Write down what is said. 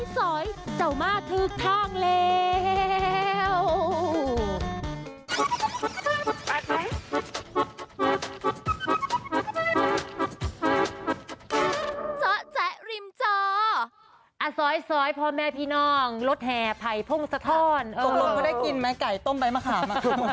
สอยเจ้ามาทึกท่องแล้ว